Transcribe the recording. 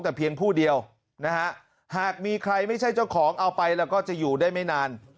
แต่เพียงผู้เดียวนะฮะหากมีใครไม่ใช่เจ้าของเอาไปแล้วก็จะอยู่ได้ไม่นาน